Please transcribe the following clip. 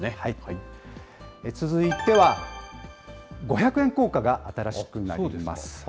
続いては、五百円硬貨が新しくなります。